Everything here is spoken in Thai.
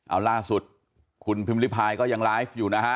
เอาล่าสุดคุณพิมพิพายก็ยังไลฟ์อยู่นะฮะ